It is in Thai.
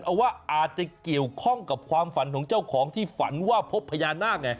เอาว่าอาจจะเกี่ยวข้องกับความฝันของเจ้าของที่ฝันว่าพบพญานาคไง